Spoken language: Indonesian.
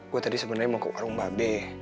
gue tadi sebenarnya mau ke warung babe